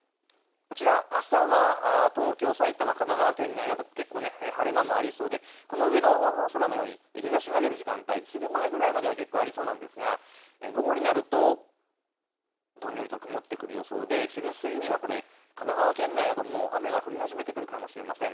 こちら朝は東京、埼玉、神奈川県内など結構、晴れ間もありそうで、この上の空のように日ざしが出る時間帯、昼前ぐらいまでは結構ありそうなんですが午後になるとどんよりと曇ってくる予想で昼過ぎにはこれ神奈川県内などもう雨が降り始めてくるかもしれません。